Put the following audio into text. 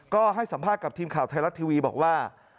ก็ให้สัมภาษณ์กับทีมข่าวไทยรัฐทีวีบอกว่า